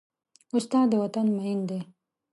استاد د وطن مین دی.